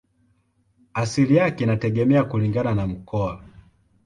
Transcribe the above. Asili yake inategemea kulingana na mkoa.